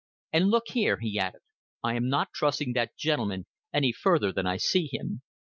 And look here," he added. "I am not trusting that gentleman any further than I see him."